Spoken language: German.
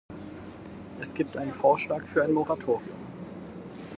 Es gibt einen Vorschlag für ein Moratorium.